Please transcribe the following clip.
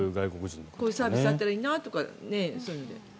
こういうサービスあったらいいなという。